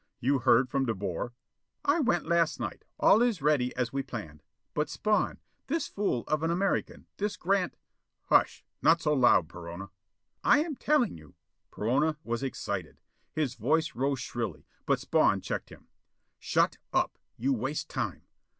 You heard from De Boer?" "I went last night. All is ready as we planned. But Spawn, this fool of an American, this Grant " "Hush! Not so loud, Perona!" "I am telling you !" Perona was excited. His voice rose shrilly, but Spawn checked him. "Shut up: you waste time.